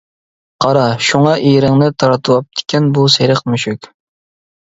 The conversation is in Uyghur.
-قارا، شۇڭا ئېرىڭنى تارتىۋاپتىكەن بۇ سېرىق مۈشۈك.